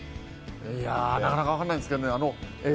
なかなかわからないですけどね。